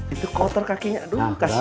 itu kotor kakinya aduh kasih dia